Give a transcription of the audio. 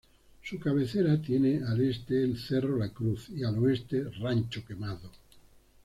Su cabecera tiene al este el Cerro la Cruz y al oeste Rancho Quemado.